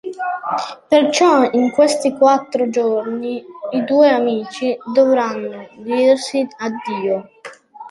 Perciò, in questi quattro giorni, i due amici dovranno dirsi addio.